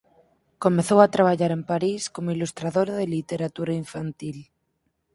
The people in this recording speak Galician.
Comezou a traballar en París como ilustradora de literatura infantil.